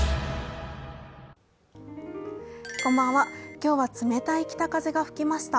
今日は冷たい北風が吹きました。